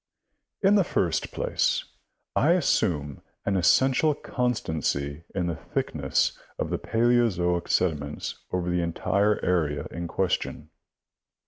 — In the first place, I assume an essential constancy in the thickness of the paleozoic sediments over the entire area in question.